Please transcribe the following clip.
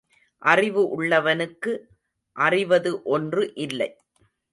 அறிவு உள்ளவனுக்கு அறிவது ஒன்று இல்லை.